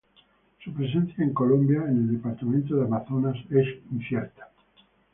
Su presencia en Colombia en el departamento de Amazonas es incierta.